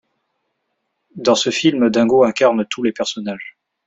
Dans ce film, Dingo incarne tous les personnages.